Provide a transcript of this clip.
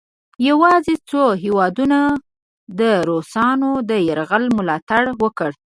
یواځې څو هیوادونو د روسانو د یرغل ملا تړ وکړ.